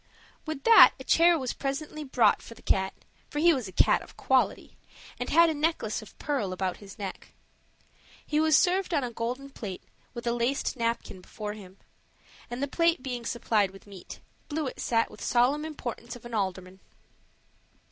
With that a chair was presently brought for the cat; for he was a cat of quality, and had a necklace of pearl about his neck. He was served on a golden plate with a laced napkin before him; and the plate being supplied with meat, Bluet sat with the solemn importance of an alderman.